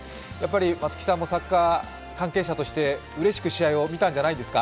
松木さんもサッカー関係者としてうれしく試合を見たんじゃないですか。